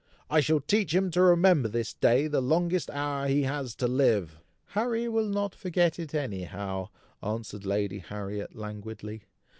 "I shall teach him to remember this day the longest hour he has to live!" "Harry will not forget it any how," answered Lady Harriet languidly.